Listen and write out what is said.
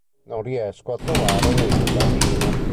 Non riesco a trovare le mutandine.